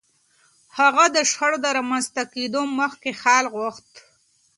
هغه د شخړو د رامنځته کېدو مخکې حل غوښت.